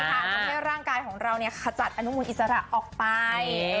ทำให้ร่างกายของเราขจัดอนุมูลอิสระออกไป